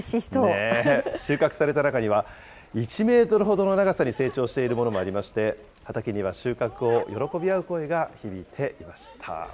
収穫された中には、１メートルほどの長さに成長しているものもありまして、畑には収穫を喜び合う声が響いていました。